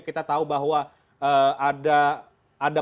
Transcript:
kita tahu bahwa ada